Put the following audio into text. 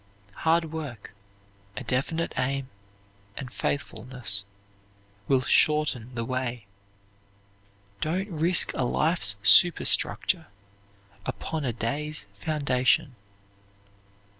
Hard work, a definite aim, and faithfulness will shorten the way. Don't risk a life's superstructure upon a day's foundation.